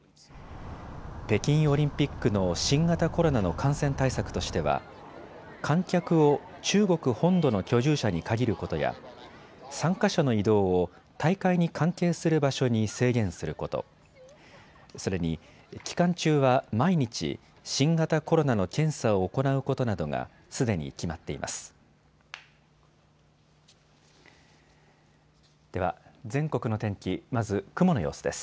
北京オリンピックの新型コロナの感染対策としては観客を中国本土の居住者に限ることや参加者の移動を大会に関係する場所に制限すること、それに期間中は毎日、新型コロナの検査を行うことなどがすでに決まっています。